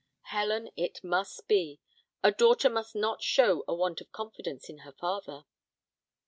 Helen, it must be! A daughter must not show a want of confidence in her father."